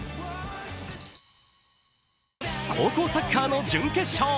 高校サッカーの準決勝。